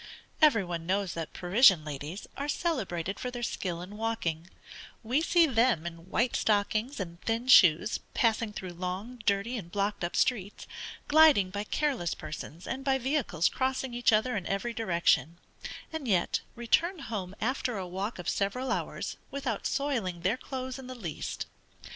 Every one knows that the Parisian ladies are celebrated for their skill in walking: we see them in white stockings and thin shoes, passing through long, dirty, and blocked up streets, gliding by careless persons, and by vehicles crossing each other in every direction, and yet return home after a walk of several hours, without soiling their clothes in the least.